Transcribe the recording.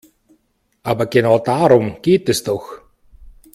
Aber genau darum geht es doch.